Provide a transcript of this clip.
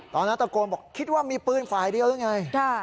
ตอนนั้นตะโกนบอกคิดว่ามีปืนฝ่ายเดียวหรือไง